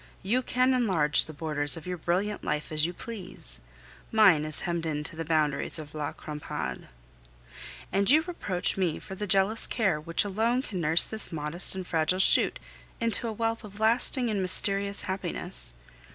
You can enlarge the borders of your brilliant life as you please; mine is hemmed in to the boundaries of La Crampade. And you reproach me for the jealous care which alone can nurse this modest and fragile shoot into a wealth of lasting and mysterious happiness!